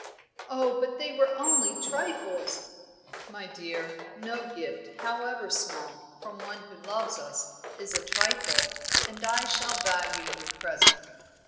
"Oh, but they were only trifles." "My dear, no gift, however small, from one who loves us, is a trifle, and I shall value your present.